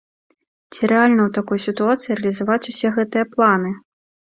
Ці рэальна ў такой сітуацыі рэалізаваць усе гэтыя планы?